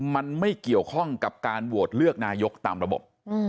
มันไม่เกี่ยวข้องกับการโหวตเลือกนายกตามระบบ